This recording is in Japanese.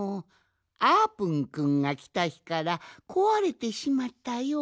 あーぷんくんがきたひからこわれてしまったようじゃ。